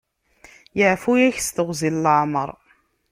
Yeɛfu-yak s teɣwzi n leɛmeṛ.